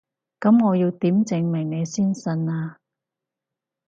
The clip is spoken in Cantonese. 噉我要點證明你先信啊？